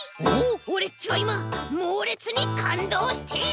オレっちはいまもうれつにかんどうしている！